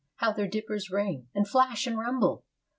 How their dippers ring And flash and rumble!